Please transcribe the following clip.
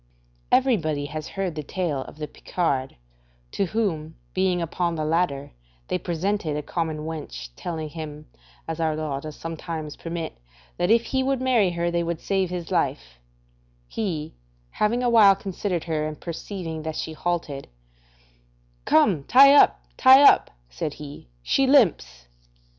Everybody has heard the tale of the Picard, to whom, being upon the ladder, they presented a common wench, telling him (as our law does some times permit) that if he would marry her they would save his life; he, having a while considered her and perceiving that she halted: "Come, tie up, tie up," said he, "she limps."